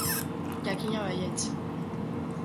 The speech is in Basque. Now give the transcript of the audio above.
Jakina baietz!